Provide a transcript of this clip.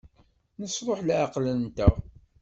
Nesṛuḥ leɛqel-nteɣ.